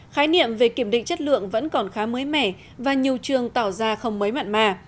khái niệm về kiểm định chất lượng vẫn còn khá mới mẻ và nhiều trường tỏ ra không mấy mặn mà